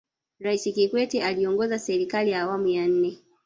rais kikwete aliongoza serikali ya awamu ya nne